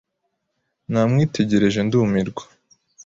Namwitegereje ndumirwa.